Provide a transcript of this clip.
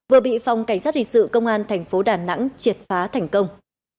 vừa bị phòng cảnh sát hình sự công an tp đà nẵng triệt phá thành công